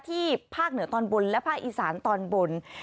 ภาคเหนือตอนบนและภาคอีสานตอนบน